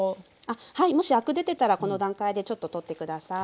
はいもしアク出てたらこの段階でちょっと取って下さい。